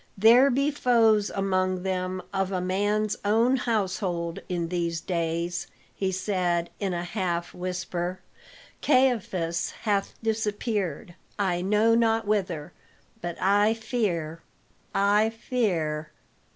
"There be foes among them of a man's own household in these days," he said in a half whisper. "Caiaphas hath disappeared, I know not whither; but I fear I fear."